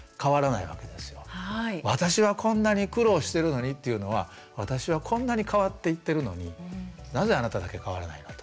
私はこんなに苦労してるのにっていうのは「私はこんなに変わっていってるのになぜあなただけ変わらないの？」と。